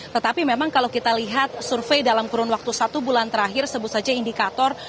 tetapi memang kalau kita lihat survei dalam kurun waktu satu bulan terakhir sebut saja indikator